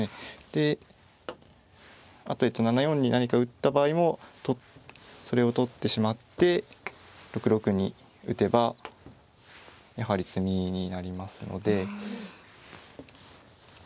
であと７四に何か打った場合もそれを取ってしまって６六に打てばやはり詰みになりますので。